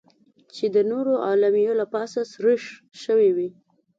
چې د نورو اعلامیو له پاسه سریښ شوې وې.